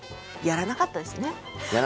やらなかったですね。